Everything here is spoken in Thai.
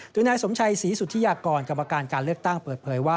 โดยนายสมชัยศรีสุธิยากรกรรมการการเลือกตั้งเปิดเผยว่า